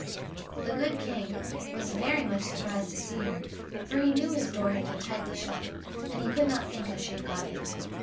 The good King was very much surprised to see her, for he knew his door had been tightly shut, and he could not think how she had got in.